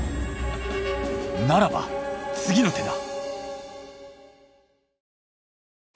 ならば次の手だ！